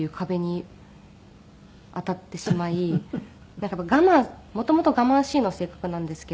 なんか我慢元々我慢しいの性格なんですけど。